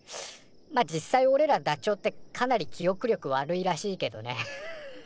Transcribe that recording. まあ実際おれらダチョウってかなり記おく力悪いらしいけどね。